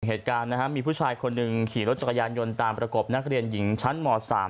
เหตุการณ์นะครับมีผู้ชายคนหนึ่งขี่รถจักรยานยนต์ตามประกบนักเรียนหญิงชั้นม๓